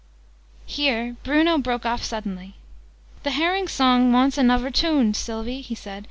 Here Bruno broke off suddenly. "The Herrings' Song wants anuvver tune, Sylvie," he said.